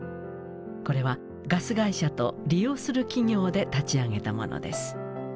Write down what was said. これはガス会社と利用する企業で立ち上げたものです。